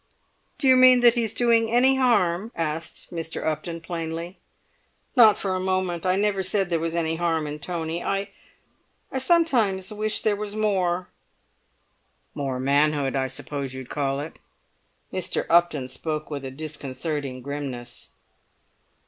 "Do you mean that he's doing any harm?" asked Mr. Upton plainly. "Not for a moment. I never said there was any harm in Tony. I—I sometimes wish there was more!" "More manhood, I suppose you'd call it?" Mr. Upton spoke with a disconcerting grimness.